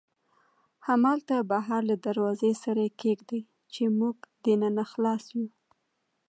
همالته بهر له دروازې سره یې کېږدئ، چې موږ دننه خلاص یو.